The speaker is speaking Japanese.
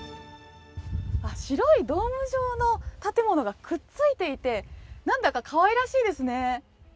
白いドーム状の建物がくっついていて何だか、かわいらしいですね。